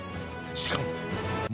しかも。